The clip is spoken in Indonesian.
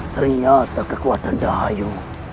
ternyata kekuatan jahayu